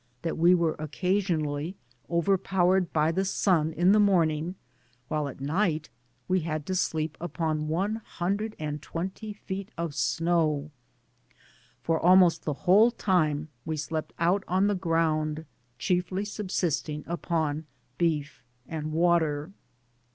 IX that we were occasionally overpowered by the sun m the monung, while at night we had to sleep upon one hundred and twenty feet of snow; for almost the whole time we slept out on the ground, chiefly subsisting upon bedT and water.